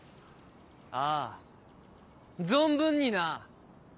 ああ存分にな。